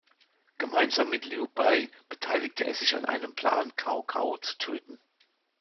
Gemeinsam mit Liu Bei beteiligte er sich an einem Plan, Cao Cao zu töten.